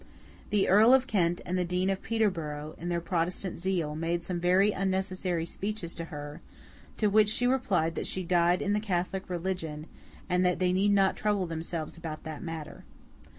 The Earl of Kent and the Dean of Peterborough, in their Protestant zeal, made some very unnecessary speeches to her; to which she replied that she died in the Catholic religion, and they need not trouble themselves about that matter.